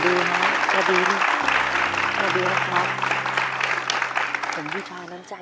สวัสดีครับสวัสดีครับผมวิธานั่งใจลุงจริงจริงเลยน่ะ